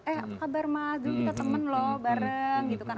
eh apa kabar mas dulu kita temen loh bareng gitu kan